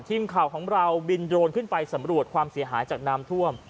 ทีมข่าวของเราบินโดรนขึ้นไปสำรวจความเสียหายจากน้ำท่วม